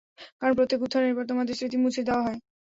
কারণ প্রত্যেক উত্থানের পর তোমাদের স্মৃতি মুছে দেওয়া হয়।